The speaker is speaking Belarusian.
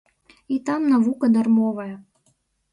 І там навука дармовая.